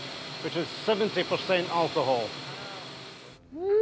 うん！